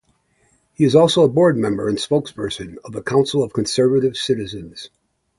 He is also a board member and spokesperson of the Council of Conservative Citizens.